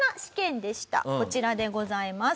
こちらでございます。